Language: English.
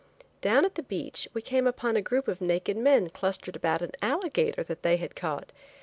Down at the beach we came upon a group of naked men clustered about an alligator that they had caught.